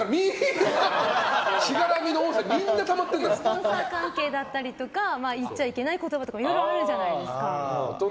スポンサー関係だったりとか言っちゃいけない言葉とかいろいろあるじゃないですか。